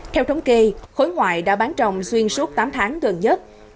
theo thống kê khối ngoại đã bán trồng xuyên suốt tám tháng gần nhất